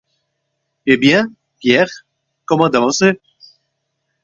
Eh bien, Pierre, comadamencez.